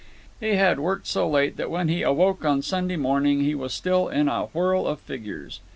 He had worked so late that when he awoke on Sunday morning he was still in a whirl of figures.